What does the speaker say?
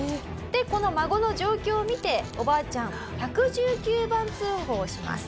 この孫の状況を見ておばあちゃん１１９番通報をします。